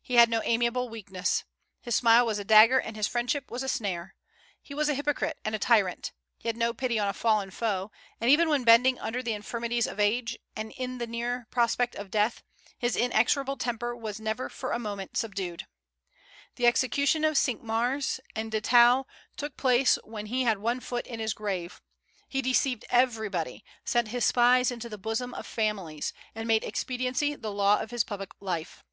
He had no amiable weakness. His smile was a dagger, and his friendship was a snare. He was a hypocrite and a tyrant. He had no pity on a fallen foe; and even when bending under the infirmities of age, and in the near prospect of death, his inexorable temper was never for a moment subdued. The execution of Cinq Mars and De Thou took place when he had one foot in his grave. He deceived everybody, sent his spies into the bosom of families, and made expediency the law of his public life.